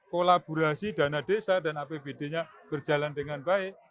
kolaborasi dana desa dan apbd nya berjalan dengan baik